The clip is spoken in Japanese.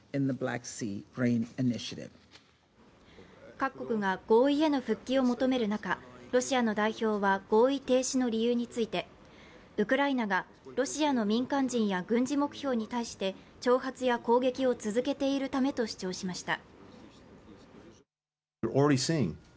各国が合意への復帰を求める中、ロシアの代表は、合意停止の理由についてウクライナがロシアの民間人や軍事目標に対して挑発や攻撃を続けているためと主張しました。